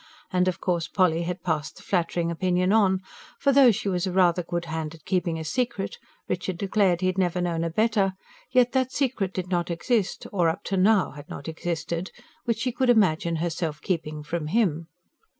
And of course Polly had passed the flattering opinion on; for, though she was rather a good hand at keeping a secret Richard declared he had never known a better yet that secret did not exist or up till now had not existed which she could imagine herself keeping from him.